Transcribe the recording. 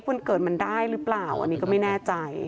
เฟซวันเกิดเฟซเปราเคสซ่อนได้หรือเปล่า